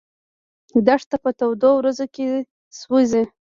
دښته په تودو ورځو کې سوځي.